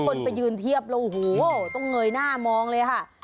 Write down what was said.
คนไปยืนเทียบแล้วโอ้โหต้องเงยหน้ามองเลยค่ะ